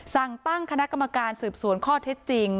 สั่งตั้งคณะกรรมการสืบสวนข้อเท็จจริง